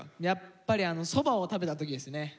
やっぱりそばを食べた時ですね。